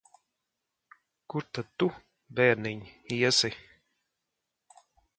Kur tad tu, bērniņ, iesi?